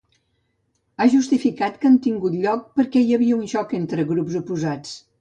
Ha justificat que han tingut lloc perquè hi havia un xoc entre grups oposats.